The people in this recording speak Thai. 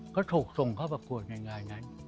ก็ถูกส่งเข้าประกวดในงานนั้น